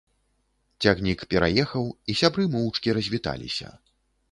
Цягнік пераехаў, і сябры моўчкі развіталіся.